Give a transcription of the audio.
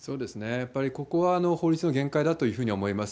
やっぱりここは法律の限界だというふうに思います。